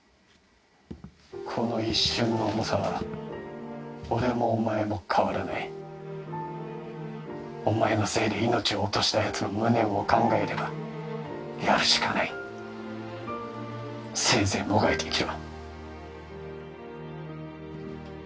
この一瞬の重さは俺もお前も変わらないお前のせいで命を落としたやつの無念を考えればやるしかないせいぜいもがいて生きろ